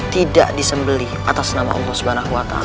tidak disembeli atas nama tuhan